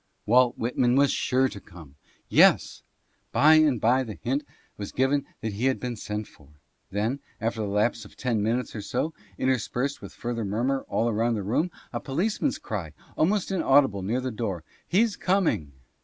Walt Whitman was sure to come — yes ! Bye and bye the hint was given that he had been sent for — then, after the lapse of ten minutes or so, interspersed with further murmur all around the room, a policeman's cry, almost inaudible, near the door, " He's coming